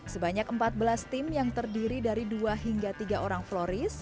sebanyak empat belas tim yang terdiri dari dua hingga tiga orang florist